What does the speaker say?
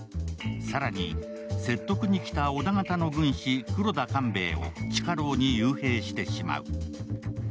更に、説得に来た織田方の軍師・黒田官兵衛を地下牢に幽閉してしまう。